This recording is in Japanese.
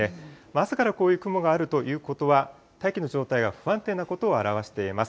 朝からこういう雲があるということは、大気の状態が不安定なことを表しています。